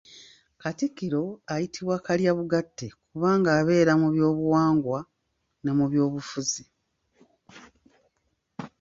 Katikkiro ayitibwa Kalyabugatte kubanga abeera mu by'obuwangwa ne mu by'obufuzi.